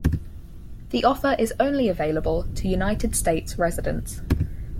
The offer is only available to United States residents.